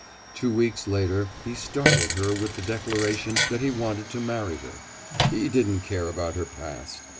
Two weeks later he startled her with the declaration that he wanted to marry her. He didn't care about her past.